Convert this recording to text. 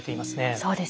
そうですね。